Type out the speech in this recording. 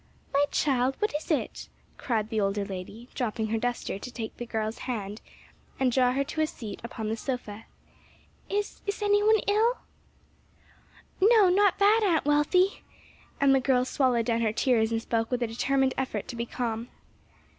"My child, what is it?" cried the older lady, dropping her duster to take the girl's hand and draw her to a seat upon the sofa, "is is any one ill?" "No, no; not that, Aunt Wealthy!" and the girl swallowed down her tears and spoke with a determined effort to be calm.